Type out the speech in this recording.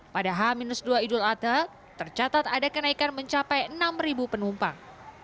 pada h dua idul adha tercatat ada kenaikan mencapai enam penumpang